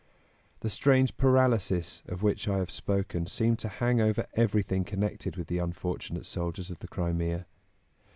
The strange paralysis of which I have spoken seemed to hang over everything connected with the unfortunate soldiers of the Crimea.